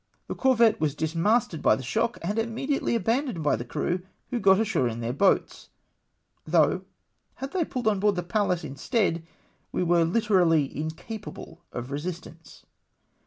The corvette was dismasted by the shock and immediately abandoned by the crew, who got ashore in their boats ; though had they puUed on board the Pallas instead, we were hterally incapable of resistance.